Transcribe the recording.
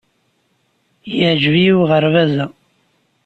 Yeɛjeb-iyi uɣerbaz-a.